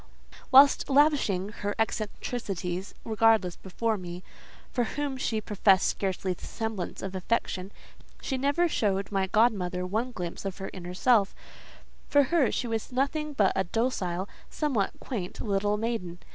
Whilst lavishing her eccentricities regardlessly before me—for whom she professed scarcely the semblance of affection—she never showed my godmother one glimpse of her inner self: for her, she was nothing but a docile, somewhat quaint little maiden.